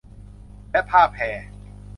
และผ้าแพร